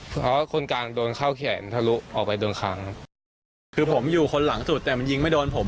เพราะคนกลางโดนเข้าแขนทะลุออกไปโดนค้างคือผมอยู่คนหลังสุดแต่มันยิงไม่โดนผม